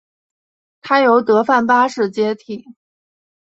他由德范八世接替。